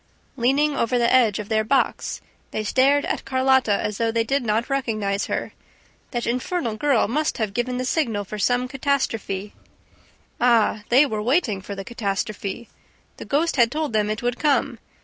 Leaning over the ledge of their box, they stared at Carlotta as though they did not recognize her. That infernal girl must have given the signal for some catastrophe. Ah, they were waiting for the catastrophe! The ghost had told them it would come!